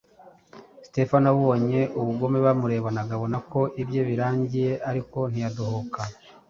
Sitefano abonye ubugome bamurebanaga, abona ko ibye birangiye ariko ntiyadohoka